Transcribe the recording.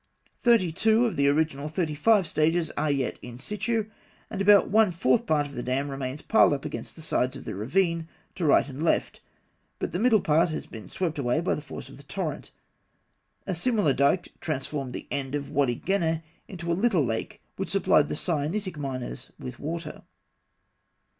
Thirty two of the original thirty five stages are yet in situ, and about one fourth part of the dam remains piled up against the sides of the ravine to right and left; but the middle part has been swept away by the force of the torrent (fig. 48). A similar dike transformed the end of Wady Genneh into a little lake which supplied the Sinaitic miners with water.